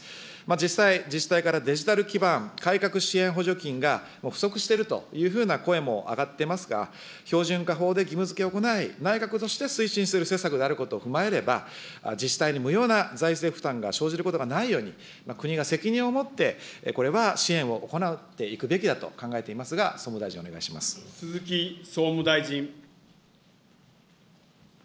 実際、自治体からデジタル基盤改革支援補助金がもう不足しているというふうな声も上がってますが、標準化法で義務づけを行い、内閣として推進する施策があることを踏まえれば、自治体に無用な財政負担が生じることがないように、国が責任を持って、これは支援を行っていくべきだと考えていますが、鈴木総務大臣。